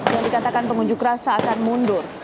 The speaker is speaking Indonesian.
dan dikatakan pengunjuk rasa akan mundur